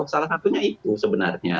salah satunya itu sebenarnya